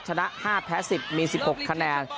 ชนะ๕แพ้๑๐มี๑๖คะแนน